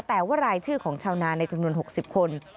แต่ว่ารายชื่อของชาวนาในจำนวน๖๐คน